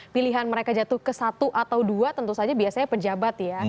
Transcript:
pilihan mereka jatuh ke satu atau dua tentu saja biasanya pejabat ya